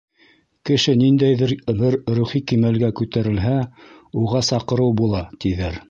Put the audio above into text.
Кеше ниндәйҙер бер рухи кимәлгә күтәрелһә, уға саҡырыу була, тиҙәр.